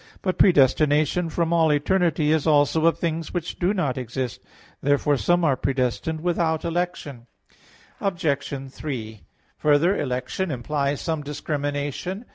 But predestination from all eternity is also of things which do not exist. Therefore, some are predestined without election. Obj. 3: Further, election implies some discrimination.